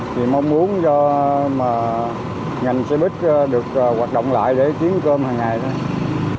chỉ mong muốn cho mà ngành xe bích được hoạt động lại để kiếm cơm hằng ngày thôi